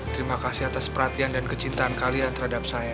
terima kasih atas perhatian dan kecintaan kalian terhadap saya